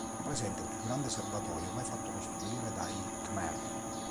Rappresenta il più grande serbatoio mai fatto costruire dai Khmer.